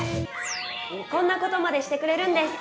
こんなことまでしてくれるんです！